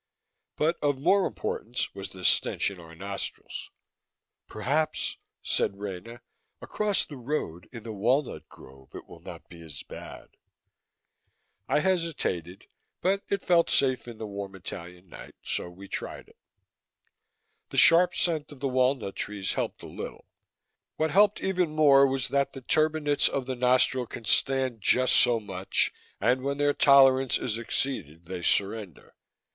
But of more importance was the stench in our nostrils. "Perhaps," said Rena, "across the road, in the walnut grove, it will not be as bad." I hesitated, but it felt safe in the warm Italian night, and so we tried it. The sharp scent of the walnut trees helped a little; what helped even more was that the turbinates of the nostril can stand just so much, and when their tolerance is exceeded they surrender.